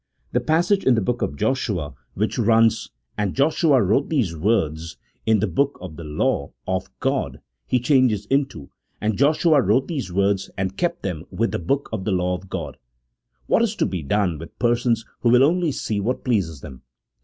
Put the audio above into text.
The passage in the book of Joshua which runs, 126 A THEOLOGICO POLITICAL TREATISE. [CHAP. VIII. " and Joshua wrote these words in the book of the law of God," he changes into " and Joshua wrote these words and kept them with the book of the law of God." What is to be done with persons who will only see what pleases them